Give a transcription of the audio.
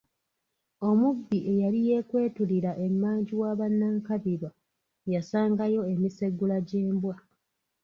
Omubbi eyali yeekwetulira emmanju wa ba Nankabirwa yasangayo emisegula gy’embwa.